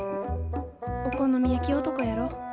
お好み焼き男やろ。